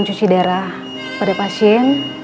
cuci darah pada pasien